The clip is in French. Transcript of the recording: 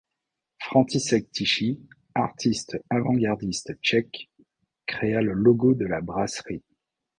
František Tichý, artiste avantgardiste tchèque, créa le logo de la brasserie.